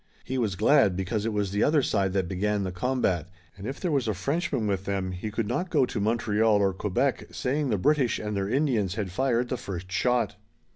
He was glad, because it was the other side that began the combat, and if there was a Frenchman with them he could not go to Montreal or Quebec, saying the British and their Indians had fired the first shot.